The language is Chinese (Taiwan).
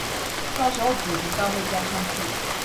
到時候主頻道會加上去